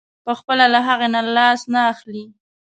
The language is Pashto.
پخپله له هغې نه لاس نه اخلي.